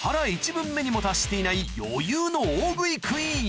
分目にも達していない余裕の大食いクイーン